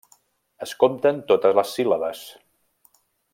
Es compten totes les síl·labes.